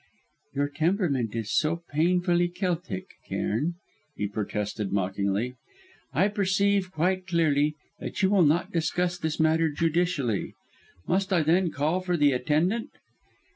"Your temperament is so painfully Celtic, Cairn," he protested mockingly. "I perceive quite clearly that you will not discuss this matter judicially. Must I then call for the attendant?"